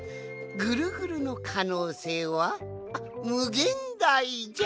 ぐるぐるのかのうせいはむげんだいじゃ！